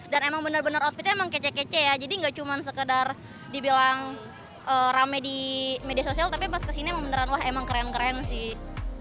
dan emang bener bener outfitnya emang kece kece ya jadi gak cuman sekedar dibilang rame di media sosial tapi pas kesini emang beneran wah emang keren keren sih